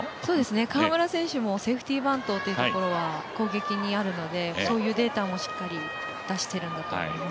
川村選手もセーフティーバントというところは攻撃にあるのでそういうデータもしっかり出しているんだと思います。